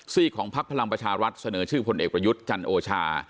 ซีกของภักดิ์พระรามประชารัฐเสนอชื่อผลเอกประยุทธ์จันโอชา